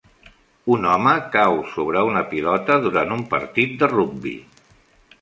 Un home cau sobre una pilota durant un partit de rugbi.